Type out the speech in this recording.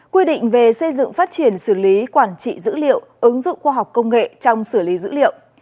quy định về xây dựng phát triển xử lý quản trị dữ liệu ứng dụng khoa học công nghệ trong xử lý dữ liệu